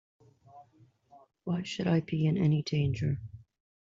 Why should I be in any danger?